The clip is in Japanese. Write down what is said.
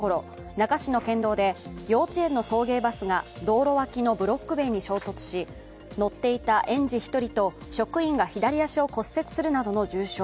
この事故は、今日午前８時半ごろ那珂市の県道で幼稚園の送迎バスが道路脇のブロック塀に衝突し乗っていた園児１人と職員が左足を骨折するなどの重傷。